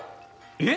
えっ！